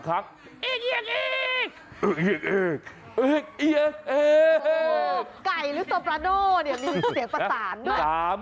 ไก่หรือโซปราโน่มีเสียงประสานด้วย